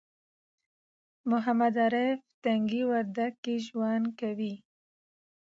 محمد عارف تنگي وردک کې ژوند کوي